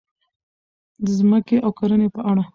د ځمکې او کرنې په اړه: